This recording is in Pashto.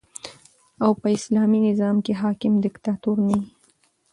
او په اسلامي نظام کښي حاکم دیکتاتور نه يي.